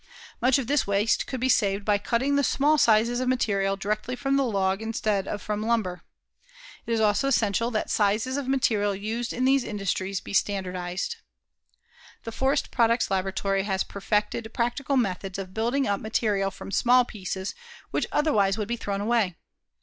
Much of this waste could be saved by cutting the small sizes of material directly from the log instead of from lumber. It is also essential that sizes of material used in these industries be standardized. The Forest Products Laboratory has perfected practical methods of building up material from small pieces which otherwise would be thrown away.